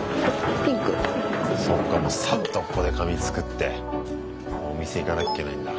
そっかもうサッとここで髪作ってお店行かなきゃいけないんだ。